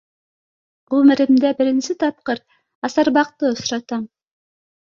Ғүмеремдә беренсе тапҡыр асарбаҡты осратам.